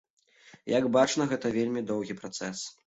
Як бачна, гэта вельмі доўгі працэс.